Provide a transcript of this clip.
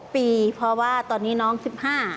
ปีเพราะว่าตอนนี้น้อง๑๕